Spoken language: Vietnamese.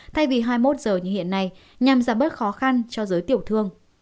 thay vì hai mươi một giờ như hiện nay nhằm giảm bớt khó khăn cho giới tiểu thương